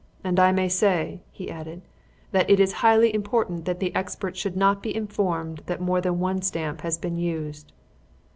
And I may say," he added, "that it is highly important that the experts should not be informed that more than one stamp has been used."